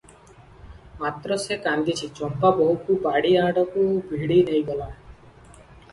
ମାତ୍ର ସେ କାନ୍ଦିଛି ।ଚମ୍ପା ବୋହୂକୁ ବାଡିଆଡକୁ ଭିଡ଼ି ନେଇଗଲା ।